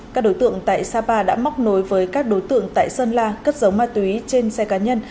các đối tượng tại sapa đã móc nối với các đối tượng tại sơn la cất dấu ma túy trên xe cá nhân